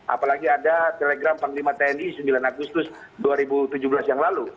apalagi ada telegram panglima tni sembilan agustus dua ribu tujuh belas yang lalu